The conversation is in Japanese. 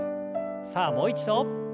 さあもう一度。